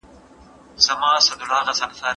انصاف د خلکو ترمنځ مینه زیاتوي.